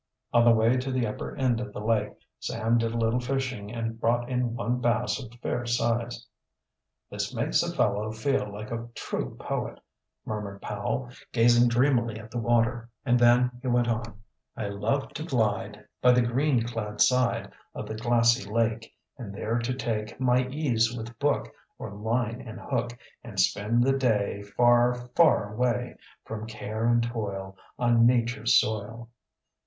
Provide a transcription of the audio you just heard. On the way to the upper end of the lake Sam did a little fishing and brought in one bass of fair size. "This makes a fellow feel like a true poet," murmured Powell, gazing dreamily at the water, and then he went on: "I love to glide, By the green clad side Of the glassy lake, And there to take My ease with book Or line and hook, And spend the day Far, far away From care and toil, On Nature's soil."